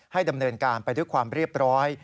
ดำเนินการไปด้วยความเรียบร้อย